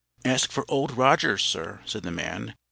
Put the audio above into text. "Ask for Old Rogers, sir," said the man.